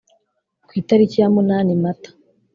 ku itariki ya munani mata